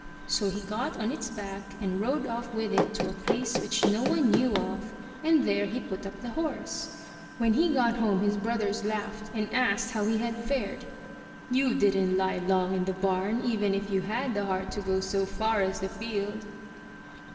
So he got on its back, and rode off with it to a place which no one knew of, and there he put up the horse. When he got home his brothers laughed, and asked how he had fared? "You didn't He long in the bam, even if you had the heart to go so far as the field."